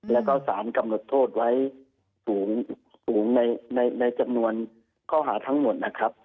แล้วก็สารกำหนดโทษไว้สูงในจำนวนข้อหาทั้งหมดนะครับ